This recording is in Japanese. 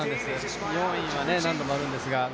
４位は何度もあるんですけれども、